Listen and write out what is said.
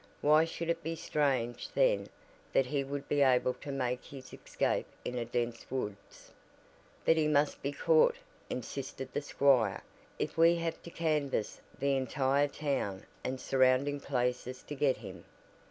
Why should it be strange then that he would be able to make his escape in a dense woods? "But he must be caught," insisted the squire, "if we have to canvass the entire town and surrounding places to get him."